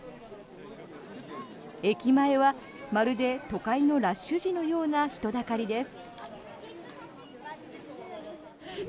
駅前はまるで都会のラッシュ時のような人だかりです。